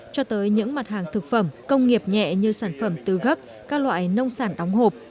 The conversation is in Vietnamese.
cho tới những mặt hàng thực phẩm công nghiệp nhẹ như sản phẩm tứ gấp các loại nông sản đóng hộp